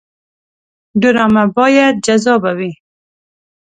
ډرامه باید جذابه وي